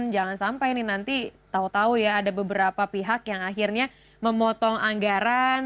jangan sampai nih nanti tau tau ya ada beberapa pihak yang akhirnya memotong anggaran